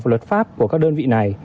vào luật pháp của các đơn vị này